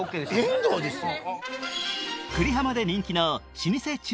遠藤ですよ